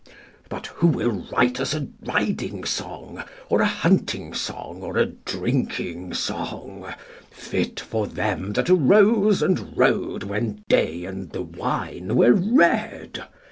But who will write us a riding song, Or a hunting song or a drinking song, Fit for them that arose and rode When day and the wine were red?